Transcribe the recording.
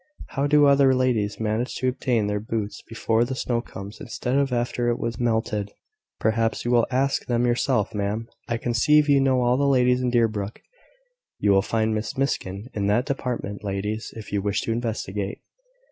"How do other ladies manage to obtain their boots before the snow comes, instead of after it has melted?" "Perhaps you will ask them yourself ma'am: I conceive you know all the ladies in Deerbrook. You will find Miss Miskin in that department, ladies, if you wish to investigate."